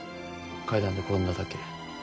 階段で転んだだけ。